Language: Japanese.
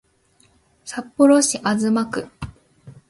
札幌市東区